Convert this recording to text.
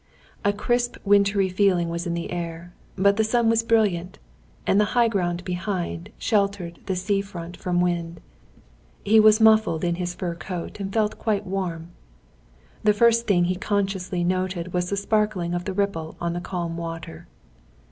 A crisp, wintry feeling was in the air; but the sun was brilliant, and the high ground behind, sheltered the sea front from wind. He was muffled in his fur coat, and felt quite warm. The first thing he consciously noticed was the sparkling of the ripple on the calm water.